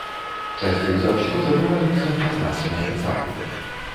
Часцей за ўсё забываюцца нязначныя дэталі.